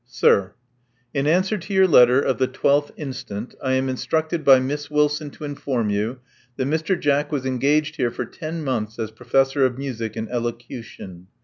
Sir, — In answer to your letter of the 12th instant, I am instructed by Miss Wilson to inform you that Mr. Jack was engaged here for ten months as professor of music and elocution.